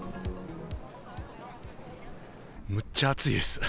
むっちゃ暑いです。